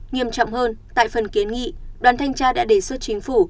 nghiêm trọng hơn tại phần kiến nghị đoàn thanh tra đã đề xuất chính phủ